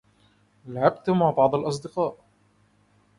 لعبت مع بعض الأصدقاء.